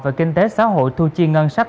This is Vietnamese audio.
về kinh tế xã hội thu chi ngân sách